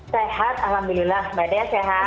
sehat alhamdulillah mbak dea sehat